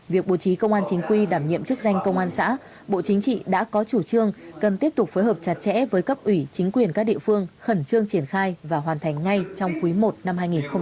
việc bố trí công an chính quy đảm nhiệm chức danh công an xã bộ chính trị đã có chủ trương cần tiếp tục phối hợp chặt chẽ với cấp ủy chính quyền các địa phương khẩn trương triển khai và hoàn thành ngay trong quý i năm hai nghìn hai mươi bốn